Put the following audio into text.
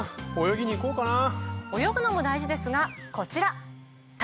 泳ぐのも大事ですがこちら。